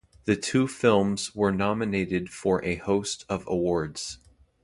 The two films were nominated for a host of awards.